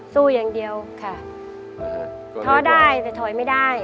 ท้อได้แต่ถอยไม่ได้